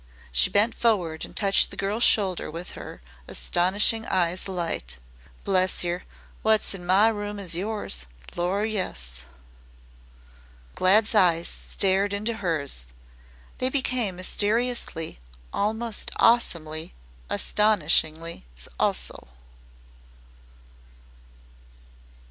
'" She bent forward and touched the girl's shoulder with her astonishing eyes alight. "Bless yer, wot's in my room's in yours; Lor', yes." Glad's eyes stared into hers, they became mysteriously, almost awesomely, astonishing also.